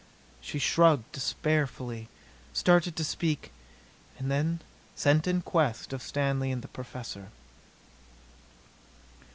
She shrugged despairfully, started to speak, then sent in quest of Stanley and the Professor.